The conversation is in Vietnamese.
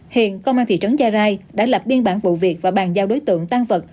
hiện công an thị trấn gia rai đã lập biên bản vụ việc và bàn giao đối tượng tan vật